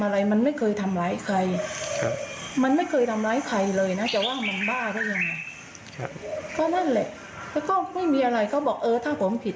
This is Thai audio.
นั่นแหละแล้วก็ไม่มีอะไรเขาบอกเออถ้าผมผิด